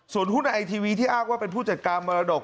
ส่วนหุ้นไอทีวีที่อ้างว่าเป็นผู้จัดการมรดก